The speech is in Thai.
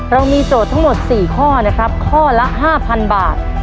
เรามีโจทย์ทั้งหมด๔ข้อนะครับข้อละ๕๐๐๐บาท